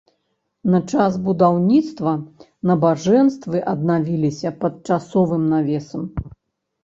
На час будаўніцтва набажэнствы аднавіліся пад часовым навесам.